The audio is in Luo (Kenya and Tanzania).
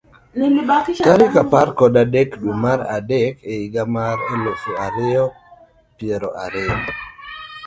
Tarik apar kod adek, dwe mar adek, e higa mar elufu ariyo piero ariyo.